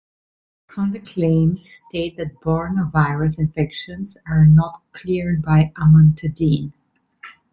Counter-claims state that Borna virus infections are not cleared by amantadine.